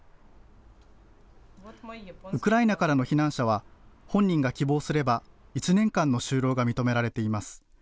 ウクライナからの避難者は、本人が希望すれば、１年間の就労が認められています。